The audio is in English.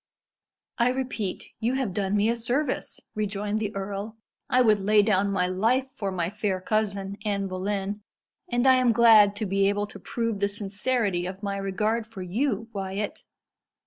"I repeat, you have done me a service," rejoined the earl, "I would lay down my life for my fair cousin, Anne Boleyn, and I am glad to be able to prove the sincerity of my regard for you, Wyat.